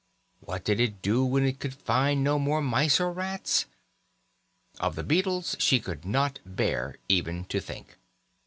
What did it do when it could find no more mice or rats? Of the beetles she could not bear even to think.